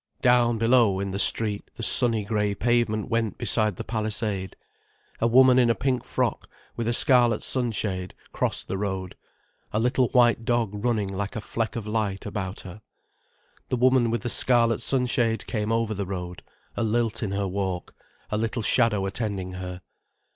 Down below, in the street, the sunny grey pavement went beside the palisade. A woman in a pink frock, with a scarlet sunshade, crossed the road, a little white dog running like a fleck of light about her. The woman with the scarlet sunshade came over the road, a lilt in her walk, a little shadow attending her.